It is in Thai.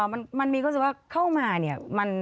มันมีความรู้สึกว่าเข้ามาเนี่ย